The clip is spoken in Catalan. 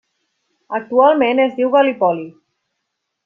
Actualment es diu Gallipoli.